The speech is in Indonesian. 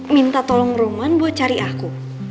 minta tolong roman buat cari aku